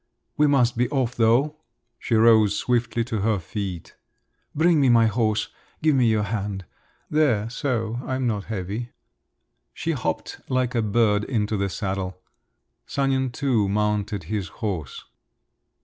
We must be off, though." She rose swiftly to her feet. "Bring me my horse…. Give me your hand. There, so. I'm not heavy." She hopped like a bird into the saddle. Sanin too mounted his horse.